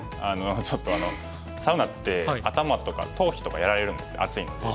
ちょっとサウナって頭とか頭皮とかやられるんですよ暑いので。